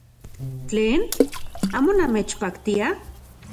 ¡Tlen! ¿Amo namechpaktia?